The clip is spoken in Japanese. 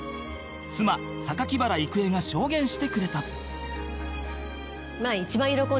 妻榊原郁恵が証言してくれた